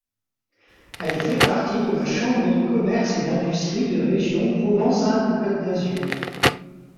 Elle fait partie de la chambre de commerce et d'industrie de région Provence-Alpes-Côte d'Azur.